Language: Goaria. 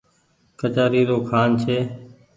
ڪچآري رو کآن ڇي۔